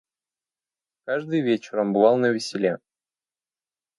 Каждый вечер он бывал навеселе.